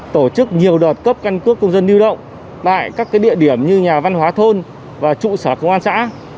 tổ chức nhiều đợt cấp căn cước công dân lưu động tại các địa điểm như nhà văn hóa thôn và trụ sở công an xã